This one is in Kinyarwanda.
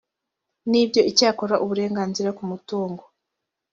n ibyo icyakora uburenganzira ku mutungo